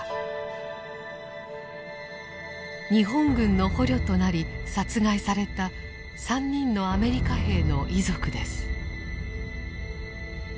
日本軍の捕虜となり殺害された３人のアメリカ兵の遺族です。